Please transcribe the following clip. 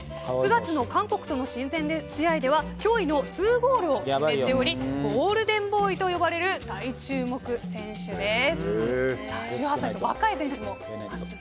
９月の韓国との親善試合では驚異の２ゴールを決めておりゴールデンボーイと呼ばれる大注目選手です。